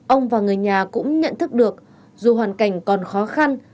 ông và người nhà cũng nhận thức được dù hoàn cảnh còn khó khăn